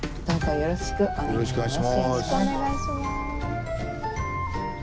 よろしくお願いします。